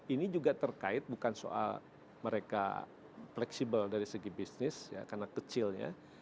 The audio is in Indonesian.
ini juga terkait bukan soal mereka fleksibel dari segi bisnis ya karena kecilnya